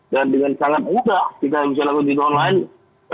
dan dengan sangat mudah kita bisa lakukan judi online